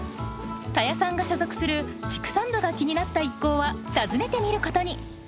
田谷さんが所属する畜産部が気になった一行は訪ねてみることに。